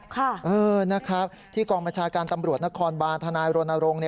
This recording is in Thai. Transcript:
ค่ะเออนะครับที่กองบัญชาการตำรวจนครบานทนายรณรงค์